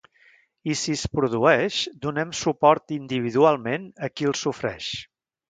I si es produeix, donem suport individualment a qui el sofreix.